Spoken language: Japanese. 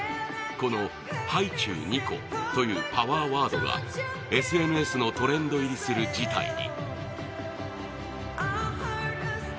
この、ハイチュウ２個というパワーワードは、ＳＮＳのトレンド入りする事態に。